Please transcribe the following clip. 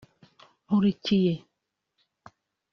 Nkurikiye